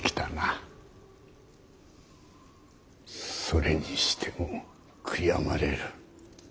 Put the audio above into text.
それにしても悔やまれる。